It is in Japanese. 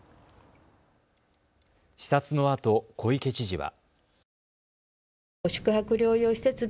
視察のあと小池知事は。